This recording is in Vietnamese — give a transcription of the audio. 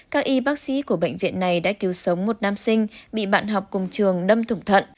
các y bác sĩ của bệnh viện này đã cứu sống một nam sinh bị bạn học cùng trường đâm thủng thận